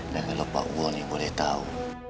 dan kalau pak wo ini boleh tahu